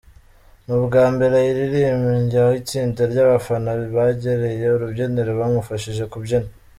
Ni ubwa mbere ayiririmbye, aho itsinda ry’abafana begereye urubyiniro bamufashije kubyina.